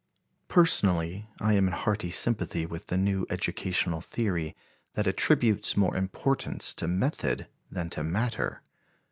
Personally I am in hearty sympathy with the new educational theory that attributes more importance to method than to matter.